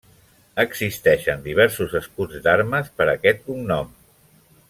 Existeixen diversos escuts d'armes per a aquest cognom.